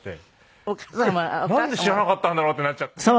なんで知らなかったんだろうってなっちゃって。